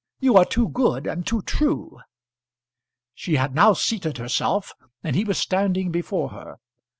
You are too good, and too true." She had now seated herself, and he was standing before her.